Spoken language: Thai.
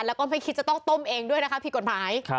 แล้วก็ไม่คิดจะต้องต้มเองด้วยนะคะผิดกฎหมาย